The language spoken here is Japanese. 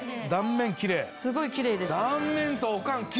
すごいきれいです。